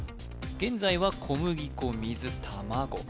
現在は小麦粉水卵